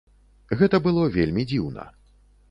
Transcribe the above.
Гэта было вельмі дзіўна.